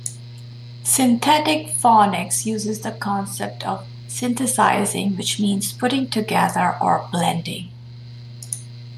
Synthetic Phonics uses the concept of 'synthesising', which means 'putting together' or 'blending'.